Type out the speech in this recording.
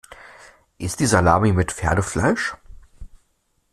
Ist die Salami mit Pferdefleisch?